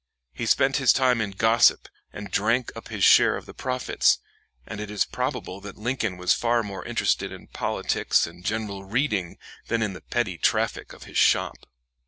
He spent his time in gossip and drank up his share of the profits, and it is probable that Lincoln was far more interested in politics and general reading than in the petty traffic of his shop.